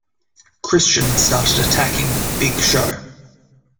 Christian started attacking Big Show.